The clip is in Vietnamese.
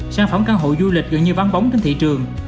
sản phẩm căn hộ du lịch gần như vắng bóng trên thị trường